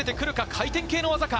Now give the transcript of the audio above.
回転系の技か？